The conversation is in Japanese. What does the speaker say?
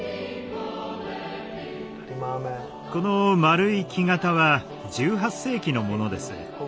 この丸い木型は１８世紀のものです。